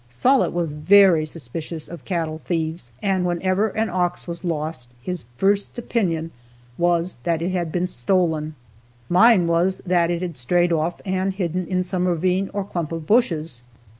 Sollitt was very suspicious of cattle thieves, and, whenever an ox was lost, his first opinion was that it had been stolen. Mine was that it had strayed off and hidden in some ravine or clump of bushes.